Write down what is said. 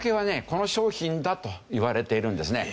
この商品だといわれているんですね。